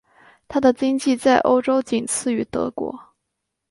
她的经济在欧洲仅次于德国。